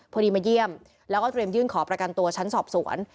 มาเยี่ยมแล้วก็เตรียมยื่นขอประกันตัวชั้นสอบสวน